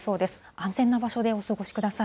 安全な場所でお過ごしください。